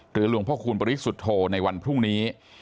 หรือลุงพระคุณปริศุโธในวันพรุ่งนี้